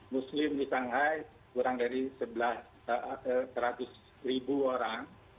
muslim di shanghai kurang dari tiga ratus ribu orang